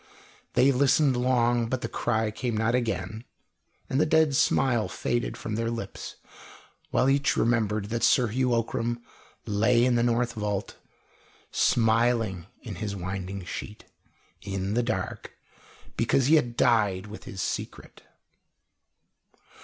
They listened long, but the cry came not again, and the dead smile faded from their lips, while each remembered that Sir Hugh Ockram lay in the north vault, smiling in his winding sheet, in the dark, because he had died with his secret.